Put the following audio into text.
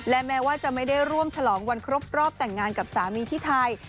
และแม้ว่าจะไม่ได้ร่วมฉลองวันครบรอบแต่งงานกับสามีที่ไทย